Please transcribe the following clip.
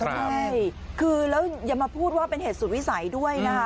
ใช่คือแล้วอย่ามาพูดว่าเป็นเหตุสุดวิสัยด้วยนะคะ